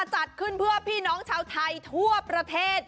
จัดขึ้นเพื่อพี่น้องชาวไทยทั่วประเทศ